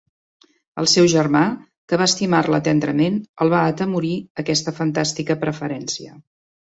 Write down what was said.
El seu germà, que va estimar-la tendrament, el va atemorir aquesta fantàstica preferència.